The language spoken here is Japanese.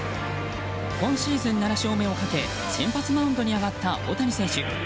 今シーズン７勝目をかけ先発マウンドに上がった大谷選手。